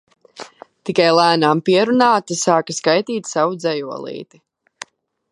Tikai lēnām pierunāta sāka skaitīt savu dzejolīti.